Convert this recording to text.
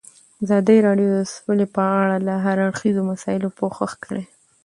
ازادي راډیو د سوله په اړه د هر اړخیزو مسایلو پوښښ کړی.